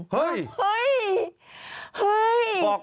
เฮ้ยเฮ้ยเฮ้ย